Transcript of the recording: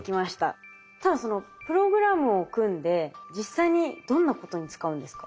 ただそのプログラムを組んで実際にどんなことに使うんですか？